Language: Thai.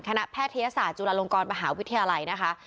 แพทยศาสตร์จุฬาลงกรมหาวิทยาลัยนะคะ